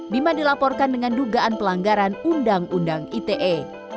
bima dilaporkan dengan dugaan pelanggaran undang undang ite